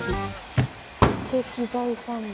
「知的財産部」。